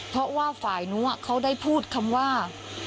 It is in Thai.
เพราะว่าฝ่ายนู้นเขาได้พูดคำว่า